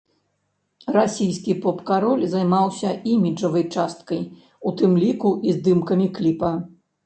Расійскі поп-кароль займаўся іміджавай часткай, у тым ліку і здымкамі кліпа.